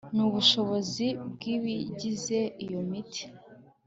nubushobozi bwibigize iyo miti